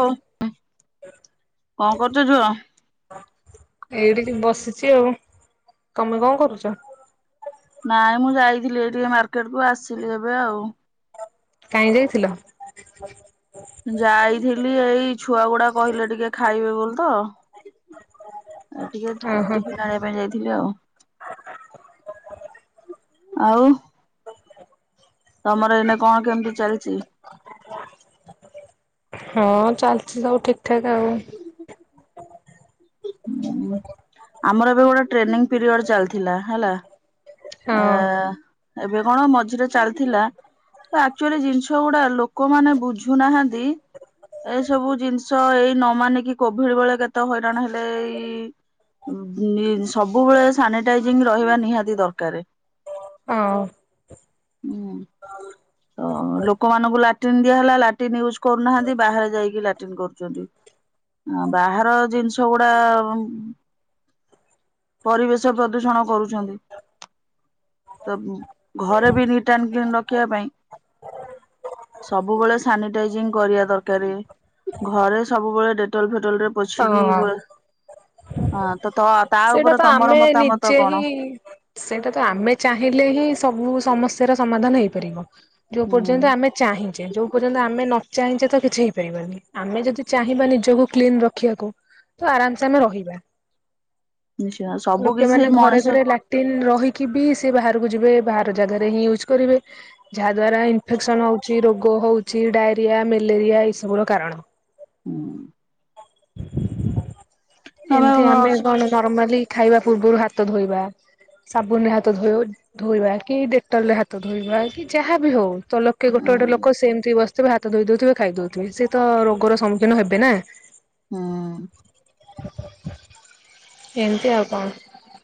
ହ କଣ କରୁଛୁ ଝୁଅ? ଏଇଠିକି ବସିଛି ଆଉ ତମେ କଣ କରୁଛ? ନାଇଁ ମୁଁ ଯାଇଥିଲି ଟିକେ ମାର୍କେଟ କୁ ଆସିଲି ଏବେ ଆଉ। କାହିଁ ଯାଇଥିଲ ଯାଇଥିଲି ଏଇ ଛୁଆ ଗୁଡା କହିଲେ ଟିକେ ଖାଇବେ ବୋଲି ତ ଆଉ ଟିକେ ଓହୋ ଟିଫିନ ଆଣିବା ପାଇଁ ଯାଇଥିଲି ଆଉ। ଆଉ। ତମର ଏନେ କଣ କେମିତି ଚାଲିଛି? ହଁ ଚାଲିଛି ସବୁ ଠିକ ଠାକ ଆଉ। ଆମର ଏବେ ଗୋଟେ ଟ୍ରେନିଂ ପିରିୟଡ ଚାଲିଥିଲା ହେଲା। ହଁ ଆ ଏବେ କଣ ମଝିରେ ଚାଲିଥିଲା ଆଚୁଆଲି ଜିନିଷ ଗୁଡା ଲୋକ ମାନେ ବୁଝୁନାହାନ୍ତି। ଏଇସବୁ ଜିନିଷ ଏଇ ନ ମାନିକି କୋଭିଡ ବେଳେ କେତେ ହଇରାଣ ହେଲେ ଏଇ ଏ ସବୁବେଳେ ସାନିଟାଇଜିଂ ରହିବା ନିହାତି ଦର୍ କାରେ ହଁ। ହଁ ତ ଲୋକମାନଙ୍କୁ ଲାଟିନ୍ ଦିଆହେଲା ଲାଟିନ୍ ୟୁଜ କରୁନାହାନ୍ତି ବାହାରେ ଯାଇକି ଲାଟିନ୍ କରୁଛନ୍ତି। ବାହାର ଜିନିଷ ଗୁଡା ପରିବେଶ ପ୍ରଦୂଷଣ କରୁଛନ୍ତି। ତ ଘରେ ବି ନିଟ୍ ଆଣ୍ଡ କ୍ଲିନ ରଖିବା ପାଇଁ ସବୁବେଳେ ସାନିଟାଇଜିଂ କରିବା ଦରକାର ଘରେ ସବୁବେଳେ ଡେଟଲ ଫେଟ ଡେଟଲରେ ପୋଛିକି ହଁ ବ ହଁ ତ ତା ସେଇଟା ଉପରେ ତ ତମର ଆମେ ମତାମତ ନିଜେ କଣ? ହିଁ ସେଇଟା ତ ଆମେ ଚାହିଁ ସମାାଧାନ ହେଇପାରିବ ଯୋଉ ହୁଁ ପର୍ଯ୍ୟନ୍ତ ଆମେ ଚାହିଁଛେ ଯୋଉ ପର୍ଯ୍ୟନ୍ତ ଆମେ ନ ଚାହିଁଛ ତ କିଛି ହେଇପାରିବନି ଆମେ ଯଦି ଚାହିଁବା ନିଜକୁ କ୍ଲିନ ରଖିବାକୁ ତ ଆରାମସ ଆମେ ରହିବା। ନିଶ୍ଚୟ ସବୁ କିଛି ସେଇ ଲୋକେମାନେ ଘରେ ମଣିଷ ଘରେ ଲାଟ୍ରନ୍ ରହିକି ବି ସେ ବାହାରକୁ ତାକୁ ଯେବେ ବାହାର ଜାଗାରେ ୟ୍ଯଜ୍‌ କରିବେ ଯାହା ଦ୍ୱାରା ଇମ୍ପେକ୍ସନ୍ ହଉଛି ରୋଗ ହଉଛି ଡାଇରି କୁଣ୍ଡିଆ ମେଲେଟିଆ ଏ ସବୁର କାରଣ। ଉଁ। [inaudible] ତମେ ଏମତି ହୁଁ ଆମେ କଣ ନର୍ମାଲି ଖାଇବା ପୂର୍ବରୁ ହାତ ଧୋଇବା। ସାବୁନ ରେ ହାତ ଧୋଇ ଧୋଇବା କି ଡେକ୍ଟଲ ରେ ହାତ ଧୋଇବା କି ଯାହାବି ହଉ ତ ଲୋକେ ଗୋଟେ ଗୋଟ ଲୋକ ସେମିତି ବସି ସେବେ ହାତ ଧୋଇ ଦଉଥିବେ ଖାଇଦଉଥିବେ ସେ ତ ରୋଗର ସମ୍ମୁଖୀନ ହେବେ ନା। ହଁ। [inaudible] ଏମିତି ଆଉ କଣ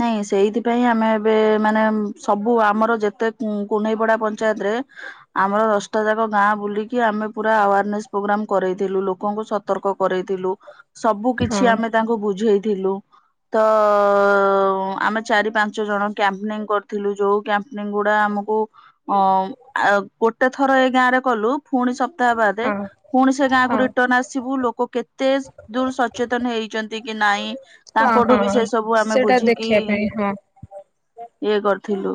ନାଇଁ ସେଇଥିପାଇଁ ଆମେ ଏବେ ମାନେ ସବୁ ଆମର ଯେତେ କୁନେଇପଡା ପଞ୍ଚାୟତରେ ଏଁ ଆମର ଦଶଟା ଯାକ ଗାଁ ବୁଲିକି ଆାମେ ପୁରା ଆୱରନେସ୍‌ ପୋଗ୍ରାମ କରେଇଥିଲ ଲୋକକୁ ସତ୍ ସତର୍କ କରଥିଲୁ ସବୁ ହଁ କିଛି ଆମେ ତାଙ୍କୁ ବୁଝେଇଥିଲୁ ତ ଆଉଁ ଆମେ ଚାରି ପାଞ୍ଚ ଜଣ କ୍ୟାମ୍ପନିଂ କରିଥିଲୁ ଯୋଉ କ୍ୟାମ୍ପନିଂ ଗୁଡା ଆମକୁ ଅଁ ଆ ଗୋଟେ ଥର ଏଇ ଗାଁ ରେ କଲୁ ପୁଣି ସପ୍ ତବାଦ ହଁ ପୁଣି ସେ ଗାଁକୁ ହଁ ରିଟର୍ଣ ଆସିବୁ ଲୋକ କେତେ ଦୂର ସଚେତନ ହେଇଛନ୍ତି। କି ନାଇଁ ହଁ ତାଙ୍କଠୁ ବି ହଁ ସେ ସବୁ ଆମେ ସେଇଟା ବୁଝି ଦେଖିବା ପାଇଁ ହଁ। ଥିଲୁ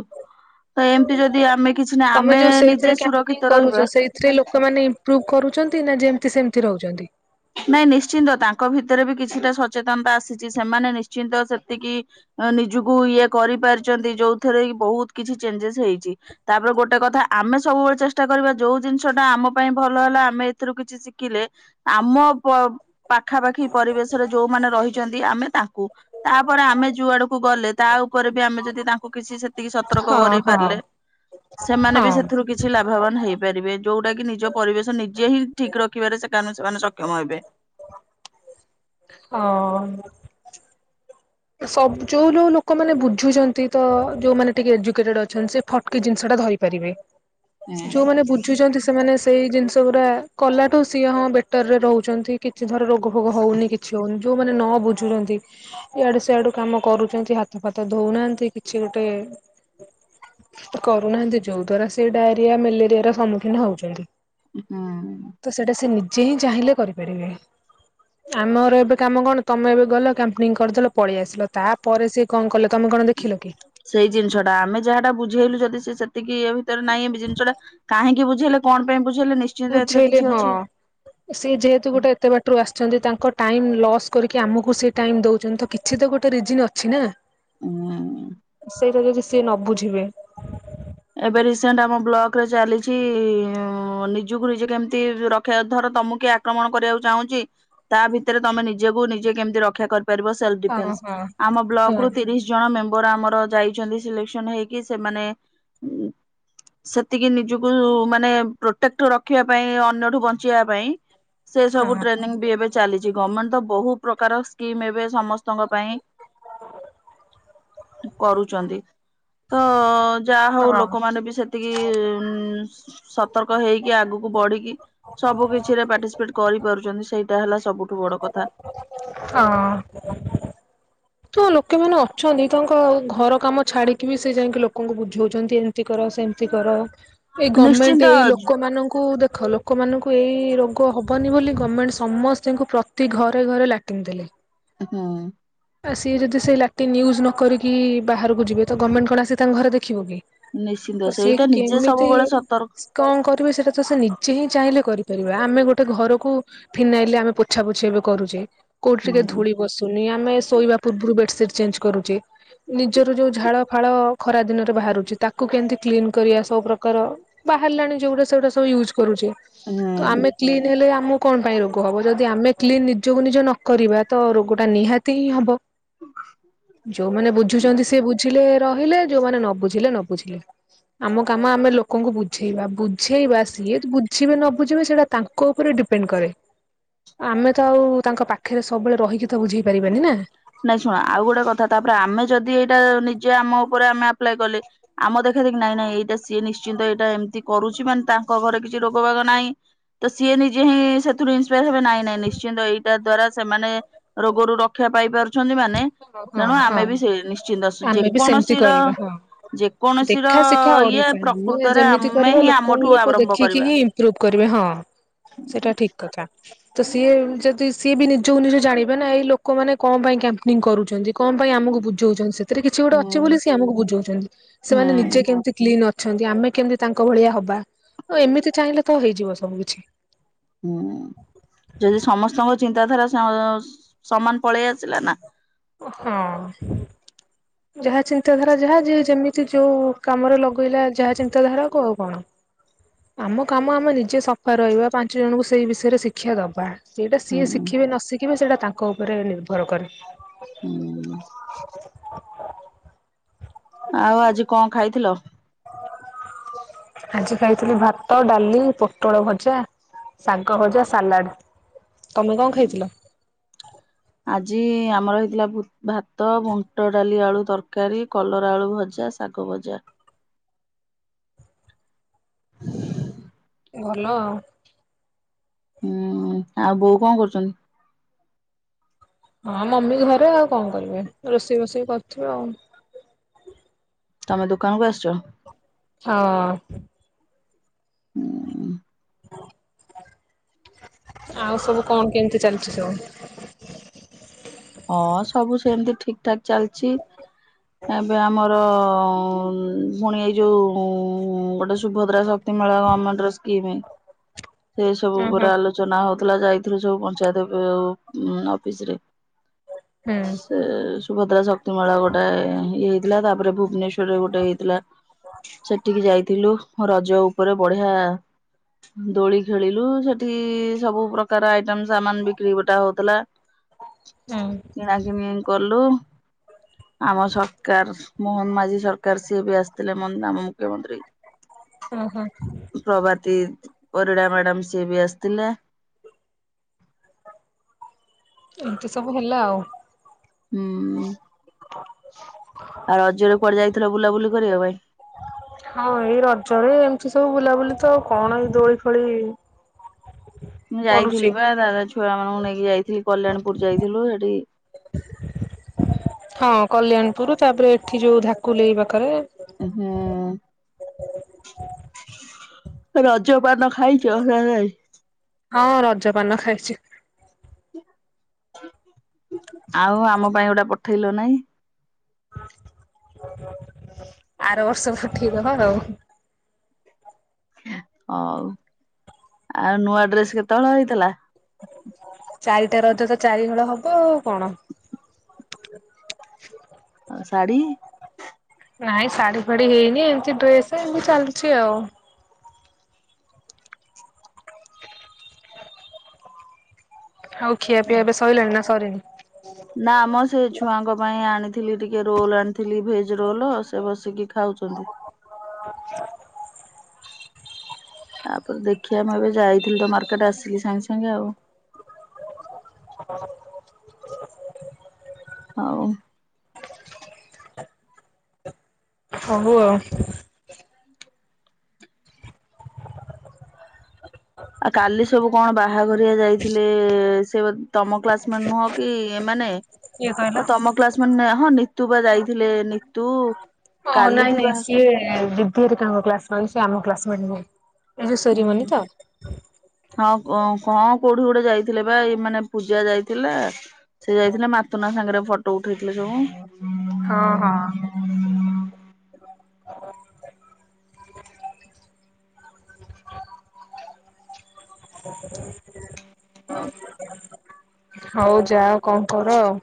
ତ ଏମିତି ଯଦି ଆମେ କିଛି ନା ତମେ ଆମେ ଯୋଉ ନିଜେ ସେଇଥିରେ୍ କାମ୍ପିନନିକ, ସୁରକ୍ଷିତ ରହିବା କରୁଛ ସେଇଥିରେ ଲୋକମାନେ ଇମ୍ପ୍ରଭ କରୁଛନ୍ତି ନା ଯେମତି ସେମତି ରହୁଛନ୍ତି। ନାଇଁ ନିଶ୍ଚିନ୍ତ ତାଙ୍କ ଭିତରେ ବି କିଛିଟା ସଚେତନତା ଆସିଛି ସେମାନେ ନିଶ୍ଚିନ୍ତ ସେତିକି ନିଜକୁ ଇଏ କରିପାରିଛନ୍ତି ଯୋଉଥିରେ ବହୁତ କିଛି ଚେଞ୍ଜେସ ହେଇଛି ତାପରେ ଗୋଟେ କଥା ଆମେ ସବୁବେଳେ ଚେଷ୍ଟା କରିବା ଯୋଉ ଜିନିଷ ଟା ଆମ ପାଇଁ ଭଲ ହେଲା ଆମେ ଏଥିରୁ କିଛି ଶିଖିଲେ ଆମ ପପ୍ ପାଖାପାଖି ପରିବେଶରେ ଯୋଉମାନେ ରହିଛନ୍ତି ଆମେ ତାଙ୍କୁ ତାପରେ ଆମେ ଯୋଉ ଆଡକୁ ଗଲେ ତା ଉପରେ ବି ଆମେ ଯଦି ତାଙ୍କୁ କିଛି ସେତିକି ସତର୍କ ହଁ କରେଇ ହଁ। ପାରିଲେ ସେମାନେ ବି ହଁ। ସେଥିରୁ କିଛି ଲାଭବାନ ହେଇପାରିବେ। ଯୋଉଟା କି ନିଜ ପରିବେଶ ନିଜେ ହିଁ ଠିକ ରଖିବାରେ ସେକାନେ ସେମାନେ ସକ୍ଷମ ହେବେ। ହଁ। ସବୁ ଯୋଉ ଯୋଉ ଲୋକମାନେ ବୁଝୁଛନ୍ତି ତ ଯୋଉମାନେ ଟିକେ ଏଜୁକେଟେଡ ଅଛନ୍ତି ସେ ଫଟକି ଜିନିଷ ଟା ଧରି ପାରିବେ ଯୋଉମାନେ ବୁଝୁଚନ୍ତି ସେମାନେ ସ ସେଇ ଜିନିଷ ଗୁରା କଲାଠୁ ସିଏ ହଁ ବେଟର ରେ ରହୁଛନ୍ତି କିଛି ଧର ରୋଗ ଫୋଗ ହଉନି କିଛି ହଉନି। ଯୋଉ ମାନେ ନ ବୁଝୁଛନ୍ତି ଇଆଡୁ ସଆଡୁ କାମ କରୁଛନ୍ତି ହାତ ଫାତ ଧଉନାହାନ୍ତି କିଛି ଗୋଟେ କରୁନାହାନ୍ତି ଯୋଉ ଦ୍ଵାରା ସେ ଡାଇରିଆ ମ୍ୟାଲେରିଆ ର ସମ୍ମୁଖୀନ ହଉଛନ୍ତି। ତ ସେଇଟା ହୁଁ। ନିଜେ ସେ ହିଁ ଚାହିଁଲେ କରିପାରିବେ ଆମର ଏବେ କାମ କଣ ତମେ ଏବେ ଗଲ କାମ୍ପେନିଙ୍ଗ କ କରିଦେଲ ପଳେଇ ଆସିଲ ତାପରେ ସେ କଣ କଲେ ତମେ କଣ ଦେଖିଲ କି? ସେଇ ଜିନିଷ ଟା ଆମେ ଯାହାଟା ବୁଝେଇଲୁ ଯଦି ସେ ସେତିକି ଇଏ ନାଇଁ ଏବେ ଜିନିଷଟା କାହିଁକି ବୁଝେଇଲେ କଣ ପାଇଁ ବୁଝେ ବୁଝେଇଲେ ହଁ ସେ ଯେହେତୁ ଗୋଟେ ଏତେ ବାଟରୁ ଆସିଛନ୍ତି ତାଙ୍କ ଟାଇମ ଲସ୍ କରିକି ଆମକୁ ସେ ଟାଇମ ଦଉଛନ୍ତି କିଛି ତ ଗୋଟେ ରିଜିନ୍ ଅଛି ନା। ଉୁଁ। ସେଇଟା ଯଦି ସିଏ ନ ବୁଝିବେ ଏବେ ରିସେଣ୍ଟ ଆମ ବ୍ଲକରେ ଚାଲିଛି ଉଁ ନିଜକୁ ନିଜେ କେମତି ରକ୍ଷା ଧର ତମକୁ କି ଆକ୍ରମଣ କରିବାକୁ ଚାହୁଁଛି ତା ଭିତରେ ତମେ ନିଜକୁ ନିଜେ କେମିତି ରକ୍ଷା କରି ପାରିବ ସେଲ୍ଫ ହଁ ହଁ ଡିଫେନ୍ସ ଆମ ହଁ ବ୍ଲକରୁ ତିରିଶ ଜଣ ମେମ ବର ଆମର ଯାଇଛନ୍ତି ସିଲେକ୍ସନ ହେଇକି ସେମାନେ ସେତିକି ନିଜକୁ ମାନେ ପ୍ରୋଟେକ୍ଟ ରଖିବା ପାଇଁ ଅନ୍ୟଠୁ ବଞ୍ଚେଇବା ପାଇଁ ସେ ସବୁ ହଁ ଟ୍ରେନିଂ ବି ଏବେ ଚାଲିଛି ଗଭର୍ଣମେଣ୍ଟ ତ ବହୁ ପ୍ରକାର ସ୍କିମ ଏବେ ସମ ଙ୍କ ପାଇଁ କରୁଛନ୍ତି। ତ ଯାହା ହଉ ଲୋକମାନେ ବି ସେତିକି। ଉ ସତର୍କ ହେଇକି ଆଗକୁ ବଢିକି ସବୁ କିଛିରେ ପାର୍ଟିସିପେଟ କରିପାରୁଛନ୍ତି ସେଇଟା ହେଲା ସବୁଠୁ ବଡ଼ କଥା। ହଁ। ତ ଲୋକେମାନେ ଅଛନ୍ତି ତାଙ୍କ ଘର କାମ ଛାଡିକି ବି ସେ ଯାଇକି ଲୋକଙ୍କୁ ବୁଝଉଛନ୍ତି ଏମିତି କର। ସେମତି କର ଏଇ ନିଶ୍ଚିନ୍ତ ଗମେଣ୍ଟ ଏଇ ଲୋକମାନଙ୍କୁ ଦେଖ ଲୋ ଲୋକମାନଙ୍କୁ ଏଇ ରୋଗ ହବନି ବୋଲି ଗମେଣ୍ଟ୍ ସମସ୍ତିଙ୍କୁ ପ୍ରତି ଘରେ ଘରେ ଲାଟିନ୍ ଦେଲେ। ହୁଁ। ଆସି ଯଦି ସେଇ ଲାଟି୍ନ୍ ୟୁଜ୍ ନ କରିକି ବାହାରକୁ ଯିବେ ତ ଗଭର୍ଣ୍ଣମେଣ୍ଟ କଣ ଆସି ତାଙ୍କ ଘରେ ଦେଖିବ କି? ତ ନିଶ୍ଚିନ୍ତ ସିଏ ସେଇଟା ନିଜେ କେମିତି ସବୁବେଳେ ସତର୍କ କଣ କରିବେ ସେଇଟା ତ ସେ ନିଜେ ହିଁ। ଚାହିଁଲେ କରିପାରିବା ଆମେ ଗୋଟେ ଘରକୁ ଫିନାଇଲେ ଆମେ ପୋଛାପୋଛି ଏବେ କରୁଛେ। କୋଉଠି ହୁଁ ଟିକେ ଧୂଳି ବସୁନି ଆମେ ଶୋଇବା ପୂର୍ବରୁ ବେଡସିଟ ଚେଞ୍ଜ କରୁଚେ। ନିଜର ଯୋଉ ଝାଳ ଫାଳ ଖରା ଦିନରେ ବାହାରୁଛି ତାକୁ କେମତି କ୍ଲିନ କରିବା ସବୁ ପ୍ରକାର। ବାହାରିଲାଣି ଯୋଉଗୁଡା ୟୁଜ କରୁଛେ ତ ହୁଁ ଆମେ କ୍ଲିନ ହେଲେ ଆମ କଣ ପାଇଁ ରୋଗ ହବ ଯଦି ଆମେ କ୍ଲିନ ନିଜକୁ ନିଜ ନକରିବା ତ ରୋଗ ଟା ନିହାତି ହିଁ ହବ। ଯୋଉମାନେ ବୁଝୁଛନ୍ତି ସେ ବୁଝିଲେ। ରହିଲେ ଯୋଉମାନେ ନ ବୁଝିଲେ ନ ବୁଝିଲେ। ଆମ କାମ ଆମେ ଲୋକଙ୍କୁ ବୁଝେଇବା ବୁଝେଇବା ସିଏ ବୁଝିବେ ନ ବୁଝିବେ ସେଇଟା ତାଙ୍କ ଉପରେ ଡ଼ି ଡିପେଣ୍ଟ୍ କରେ ଆମେ ତ ଆଉ ତାଙ୍କ ପାଖରେ ସବୁବେଳେ ରହିକି ତ ବୁଝେଇ ପାରିବାନି ନା। ନାଇଁ ଶୁଣ ଆଉ ଗୋଟେ କଥା ତାପରେ ଆମେ ଯଦି ଏଇଟା ନିଜେ ଆମ ଉପରେ ଆମେ ଆପ୍ଲାଏ କଲେ ଆମ ଦେଖ ଦେଖା ଦେଖି ନାଇଁ ନାଇଁ ଏଇଟା ସିଏ ନିଶ୍ଚିନ୍ତ ଏଇଟା ଏମିତି କରୁଛି ମାନେ ତାଙ୍କ ଘରେ କିଛି ରୋଗ ବାଗ ନାହିଁ। ତ ସିଏ ନିଜେ ହିଁ ସେଥିରୁ ଇନସପାର ହେବେ ନାଇଁ ନାଇଁ ନିଶ୍ଚିନ୍ତ ଏଇଟା ଦ୍ଵାରା ସେମାନେ ରୋଗ ରୁ ରକ୍ଷା ପାଇପାରୁ ହଁ ହଁ ନିଶ୍ଚିନ୍ତ ଆମେ ବି ସେମତି ଯେକୌଣସି ର କରିବା ହଁ। ଯେକୌଣସି ର ଦେଖା ଶିଖା ଇଏ ଓଡିଶା ଆମେ ଏ ପ୍ରକୃତରେ ଯେମିତି ଆମେ କରିବା ହିଁ ଲୋକଙ୍କୁ ଆମଠୁ ଲୋକ ଆରମ୍ଭ ଦେଖିକି କରିବା। ହିଁ ଇମ୍ପ୍ରୁଭ କରିବେ। ହଁ ସେଇଟା ଠିକ କଥା। ତ ସିଏ ଯଦି ସିଏ ବି ନିଜକୁ ନିଜ ଜାଣିବେ ନା ଏଇ ଲୋକମାନେ କଣ ପାଇଁ କା ନୀଙ୍ଗି କରୁଛନ୍ତି କଣ ପାଇଁ ଆମକୁ ବୁଝଉଛନ୍ତି ସେଥିରେ କିଛି ଗୋଟେ ଅଛି ହୁଁ। ବୋଲି ସେ ଆମକୁ ବୁଝାଉଛନ୍ତି ସେମାନେ ନିଜେ ହୁଁ କେମିତି କ୍ଲିନ ଅ ଛଅନ୍ତି ଆମେ କେମିତି ତାଙ୍କ ଭଳିଆ ହବା ଏମିତି ଚାହିଁଲେ ତ ହେଇଯିବ ସବୁ କିଛି। ହୁଁ ଯଦି ସମସ୍ତଙ୍କ ଚିନ୍ତାଧାରା ସଅ ସମାନ ପଳେଇ ଆସିଲା ନା ହଁ! ଯାହା ଚିନ୍ତାଧାରା ଯାହା ଯିଏ ଯେମିତି ଯୋଉ କାମରେ ଲଗେଇଲା ଯାହା ଚିନ୍ତାଧାରା ଆଉ କଣ! ଆମ କାମ ଆମେ ନିଜେ ସଫା ରହିବା ପାଞ୍ଚ ଜଣଙ୍କୁ ସେଇ ବିଷୟରେ ଶିକ୍ଷା ଦବା। ସେଇଟା ସିଏ ହୁଁ। ଶିଖିବେ ନ ଶିଖିବେ ସେଇଟା ତାଙ୍କ ଉପରେ ନିର୍ଭର କରେ। ହୁଁ ଆଉ ଆଜି କଣ ଖାଇଥିଲ? ଆଜି ଖାଇଥିଲି ଭାତ ଡାଲି ପୋଟଳ ଭଜା! ସାଙ୍ଗ ଭଜା ସାଲାଡ। ତମେ କଣ ଖାଇଥିଲ? ଆଜି ଆମର ହେଇଥିଲା ଭୁତ ଭାତ ବୁଣ୍ଟ ଡାଲି ଆଳୁ ତରକାରୀ କଲରା ଆଳୁ ଭଜା ଶାଗ ବଜା। ଭଲ! ହୁଁ ଆଉ ବୋଉ କଣ କରୁଛନ୍ତି? ହଁ ମମି ଘରେ ଆଉ କଣ କରିବେ ରୋଷେଇ ବଷେଇ କରୁଥିବେ ଆଉ! ତମେ ଦୋକାନକୁ ଆସିଛ? ହଁ! ହୁଁ! ଆଉ ସବୁ କଣ କେମିତି ଚାଲିଛି ସବୁ? ହଁ ସବୁ ସେମତି ଠିକ ଠାକ ଚାଲିଛି। ଏବେ ଆମର ଅ ପୁଣି ଏଇ ଯୋଉ ଉଁ ଗୋଟେ ସୁଭଦ୍ରା ସ ମଳା ଗମେଣ୍ଟର ସ୍କିମ ସେସବୁ ଓହୋ। ଉପରେ ଆଲୋଚନା ହଉ ଥିଲା ଯାଇଥିଲୁ ସବୁ ପଞ୍ଚାୟତ ଅ-ଅଫିସରେ ହୁଁ ସେ ସୁଭଦ୍ରା ଶକ୍ତି ମେଳା ଗୋଟେ ଇଏ ହେଇ ଥିଲା ତାପରେ ଭୁବନେଶ୍ଵରରେ ଗୋଟେ ହେଇଥିଲା। ସେଠିକି ଯାଇଥିଲୁ ରଜ ଉପରେ ବଢିଆ! ଦୋଳି ଖେଳିଲୁ ସେଠି ସବୁ ପ୍ରକାର ଆଇଟମ ସାମାନ ବିକ୍ରି ଗୋଟା ହଉଥିଲା! ହୁଁ କିଣାକିଣିି କଲୁ। ଆମ ସରକାର ମୋହନ ମାଝି ସରକାର ସିଏ ବି ଆସିଥିଲେ ମ ଆମ ମୁଖ୍ୟମନ୍ତ୍ରୀ। ଓହୋ! ପ୍ରଭତି ପରିଡ଼ା ମ୍ୟାଡାମ ସିଏ ବି ଆସିଥିଲେ। ଏମିତି ସବୁ ହେଲା ଆଉ। ହୁଁ! [inaudible] ଆଉ ରଜରେ କୁଆଡେ ଯାଇଥିଲ ବୁଲାବୁଲି କରିବା ପାଇଁ? ହଁ ଏଇ ରଜରେ ଏମିତି ସବୁ ବୁଲାବୁଲି ତ ଆଉ କଣ ଏଇ ଦୋଳି ଫୋଳି ମୁଁ ପଡୁଛି। ଯାଇଥିଲି ପା ଦାଦା ଛୁଆ ମାନଙ୍କୁ ନେଇକି ଯାଇ କଲ୍ୟାଣପୁର ଯାଇଥିଲୁ ସେଠି ହଁ କଲ୍ୟାଣୀପୁର ତାପରେ ଏଠି ଯୋଉ ଧାକୁଲେଇ ପାଖରେ ହୁଁ ରଜ ପାନ ଖାଇଛ ନା ନାଇ? ହଁ ରଜପାନ ଖାଇଛି। ଆଉ ଆମ ପାଇଁ ଗଟା ପଠେଇଲ ନାଇ! ଆର ବର୍ଷ ପଠେଇ ଦବା ଆଉ! ହଉ! ଆଉ ନୂଆ ଡ୍ରେସ କେତେବେଳ ହେଇଥିଲା? ଚାରିଟା ରଜ ତ ଚାରିହଳ ହବ ଆଉ କଣ! ଶାଢ଼ୀ? ନାଇଁ ଶାଢୀ ଫାଢୀ ହେଇନି ଏମିତି ଡ୍ରେସ ଏମତି ଚାଲିଛି ଆଉ! ଆଉ ଖିଆ ପିଆ ଏବେ ସରିଲାଣି ନା ସରିନି? ନା ମୁଁ ସେ ଛୁଆଙ୍କ ପାଇଁ ଆଣିଥିଲି ଟିକେ ରୋଲ୍ ଆଣିଥିଲି ଭେଜ ରୋଲ୍ ସେ ବସିକି ଖାଉଛନ୍ତି। ତାପରେ ଦେଖିବା ମୁଁ ଏବେ ଯାଇଥିଲି ତ ମାର୍କେଟ ଆସିଲି ସାଙ୍ଗେ ସାଙ୍ଗେ ଆଉ। ହ ହଉ। ହୋଉ ଆଉ। ଆଉ କାଲି ସବୁ କଣ ବାହାଘରିଆ ଯାଇଥିଲେ ସେ ତମ କ୍ଲାସମେଟ ନୁହଁ କି ଏମାନେ କିଏ କହିଲ? ଓ ତମ କ୍ଲାସମେଣ୍ଟ ହଁ ନିତୁ ବା ଯାଇଥିଲେ ନିତୁ। ହଁ ନାଇଁ କାଲିଠି ବା ନାଇଁ ସିଏ ଦିଦି ହେରୀଙ୍କା କ୍ଲାସ ମେଣ୍ଟ ସିଏ ଆମ କ୍ଲାସମେଣ୍ଟ ନୁହଁ। ହୁଁ ସେରିମନି ହୁଁ। ତ! ହଁ କଣ କୋଉଠି କୋଉଟେ ଯାଇଥିଲେ ବା ଏଇ ମାନେ ପୂଜା ଯାଇଥିଲା। ସେ ଯାଇଥିଲେ ମାତୁନା ସାଙ୍ଗରେ ଫଟୋ ଉଠେଇଥିଲେ ସବୁ। ହଁ ହଁ। [inaudible] ହଉ ଯାଅ। କଣ କର ଆଉ।